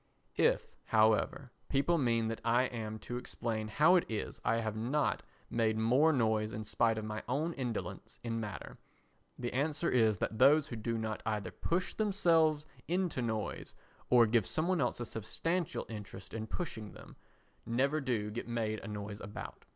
If, however, people mean that I am to explain how it is I have not made more noise in spite of my own indolence in matter, the answer is that those who do not either push the themselves into noise, or give some one else a substantial interest in pushing them, never do get made a noise about.